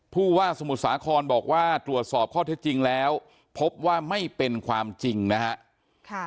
ผู้ว่าสมุทรสาครบอกว่าตรวจสอบข้อเท็จจริงแล้วพบว่าไม่เป็นความจริงนะฮะ